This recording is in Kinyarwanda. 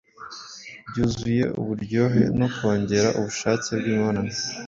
byuzuye uburyohe no kongera ubushake bw’imibonano